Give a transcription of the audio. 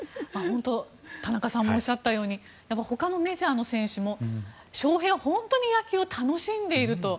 田中さんもおっしゃったようにほかのメジャーの選手も翔平は本当に野球を楽しんでいると。